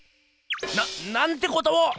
⁉なっなんてことを！